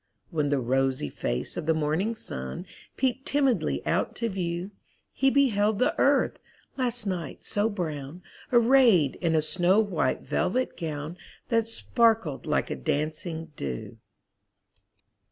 When the rosy face of the morning sun Peeped timidly out to view, He beheld the earth, last night so brown, Arrayed in a snow white velvet gown That sparkled like dancing dew.